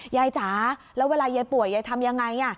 จ๋าแล้วเวลายายป่วยยายทำยังไง